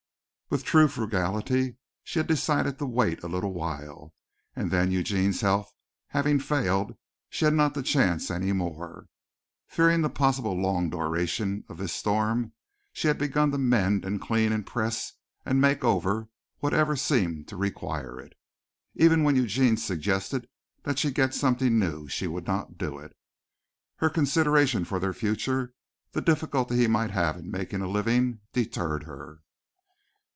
With true frugality she had decided to wait a little while, and then Eugene's health having failed she had not the chance any more. Fearing the possible long duration of this storm she had begun to mend and clean and press and make over whatever seemed to require it. Even when Eugene suggested that she get something new she would not do it. Her consideration for their future the difficulty he might have in making a living, deterred her.